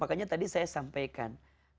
makanya tadi saya sampaikan